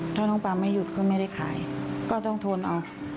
ถ้าน้องปามไม่หยุดก็ไม่ได้ขายก็ต้องทนเอา